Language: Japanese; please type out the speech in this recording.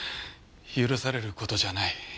許される事じゃない。